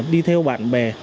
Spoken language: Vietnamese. đi theo bạn bè